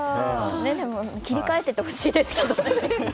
切り替えていってほしいですけどね。